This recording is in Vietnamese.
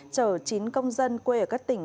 trở chín công dân quê ở các tỉnh